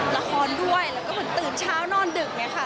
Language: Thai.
ละครด้วยแล้วก็เหมือนตื่นเช้านอนดึกเนี่ยค่ะ